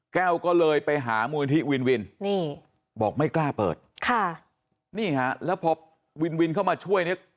แก้วก็เลยไปหามูลนิธิวินวินนี่บอกไม่กล้าเปิดค่ะนี่ฮะแล้วพอวินวินเข้ามาช่วยเนี่ย